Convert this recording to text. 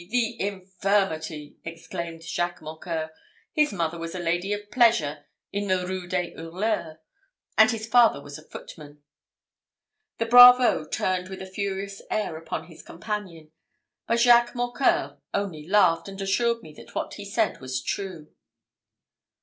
the infirmity!" exclaimed Jacques Mocqueur. "His mother was a lady of pleasure in the Rue des Hurleurs, and his father was a footman." The bravo turned with a furious air upon his companion; but Jacques Mocqueur only laughed, and assured me that what he said was true.